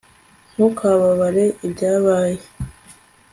ntukababare ibyabaye